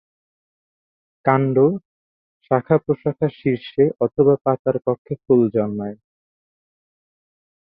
কাণ্ড, শাখা-প্রশাখা শীর্ষে অথবা পাতার কক্ষে ফুল জন্মায়।